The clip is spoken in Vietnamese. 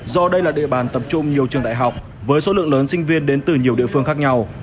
do đây là địa bàn tập trung nhiều trường đại học với số lượng lớn sinh viên đến từ nhiều địa phương khác nhau